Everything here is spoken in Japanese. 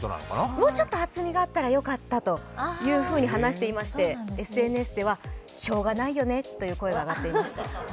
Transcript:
もうちょっと厚みがあったらよかったと話していましてＳＮＳではしようがないよねという声が上がっていました。